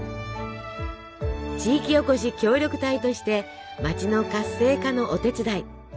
地域おこし協力隊として町の活性化のお手伝い。